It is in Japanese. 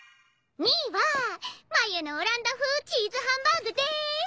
２位はマユのオランダ風チーズハンバーグです！